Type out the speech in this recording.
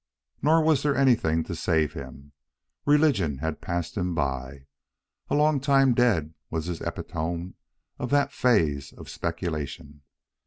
Nor was there anything to save him. Religion had passed him by. "A long time dead" was his epitome of that phase of speculation.